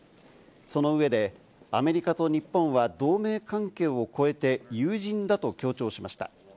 その上で、アメリカと日本は同盟関係を越えて友人だと強調しました。